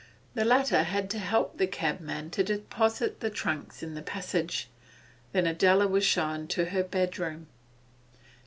The latter had to help the cabman to deposit the trunks in the passage. Then Adela was shown to her bedroom.